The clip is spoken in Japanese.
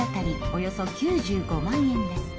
およそ９５万円です。